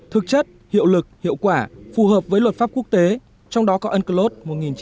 thực chất hiệu lực hiệu quả phù hợp với luật pháp quốc tế trong đó có unclos một nghìn chín trăm tám mươi hai